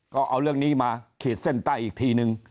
ก็เอาเรื่องนี้มาขีดเส้นใต้อีกทีนึง